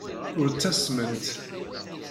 Ur ttasment.